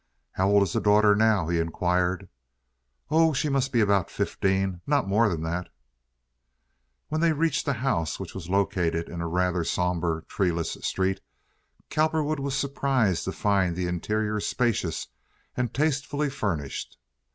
"How old is the daughter now?" he inquired. "Oh, she must be about fifteen—not more than that." When they reached the house, which was located in a rather somber, treeless street, Cowperwood was surprised to find the interior spacious and tastefully furnished.